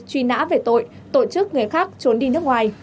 truy nã về tội tổ chức người khác trốn đi nước ngoài